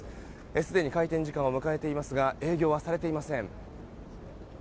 すでに開店時間を迎えていますが営業はされていません。